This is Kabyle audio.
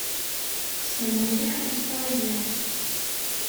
Ssneɣ mliḥ Ustṛalya.